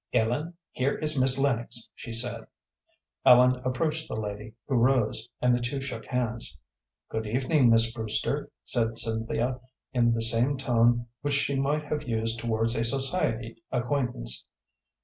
"Ellen, here is Miss Lennox," she said. Ellen approached the lady, who rose, and the two shook hands. "Good evening, Miss Brewster," said Cynthia, in the same tone which she might have used towards a society acquaintance.